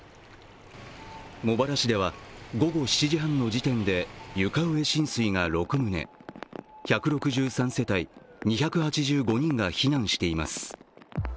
茂原市では午後７時半の時点で床上浸水が６棟、１６３世帯２８５人が避難しています。